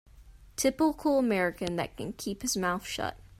Typical American that can keep his mouth shut.